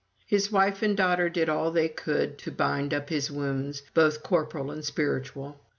His wife and daughter did all they could to bind up his wounds, both corporal and spiritual.